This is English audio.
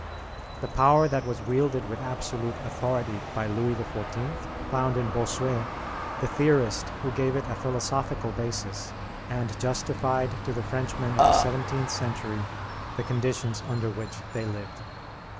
The power that was wielded with absolute authority by Louis XIV. found in Bossuet the theorist who gave it a philosophical basis, and justified to the Frenchmen of the seventeenth century the conditions under which they lived.